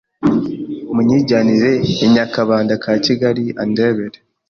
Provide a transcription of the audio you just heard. Munyijyanire i Nyakabanda ka Kigali andebere